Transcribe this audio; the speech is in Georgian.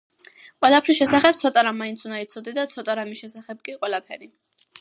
„ყველაფრის შესახებ ცოტა რამ მაინც უნდა იცოდე და ცოტა რამის შესახებ კი – ყველაფერი.”